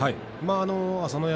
朝乃山